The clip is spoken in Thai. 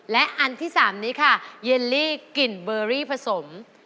และอันที่๓นี้ค่ะเยลลี่กลิ่นเบอรี่ผสม